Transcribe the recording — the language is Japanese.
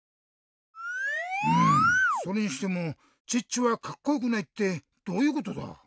うんそれにしてもチッチはカッコよくないってどういうことだ！